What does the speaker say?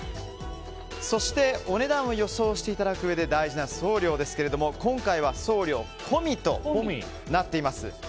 そしてお値段を予想していただくうえで大事な送料ですが今回は送料込みとなっています。